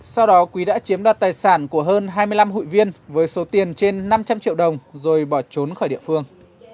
sau đó quý đã chiếm đoạt tài sản của hơn hai mươi năm hội viên với số tiền trên năm trăm linh triệu đồng rồi bỏ trốn khỏi địa phương